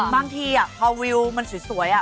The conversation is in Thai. บางทีอ่ะพอวิวมันสวยอ่ะ